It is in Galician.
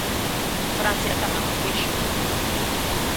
"Francia tamén o fixo".